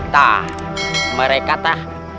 tah mereka tah